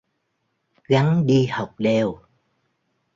Gắng đi học đều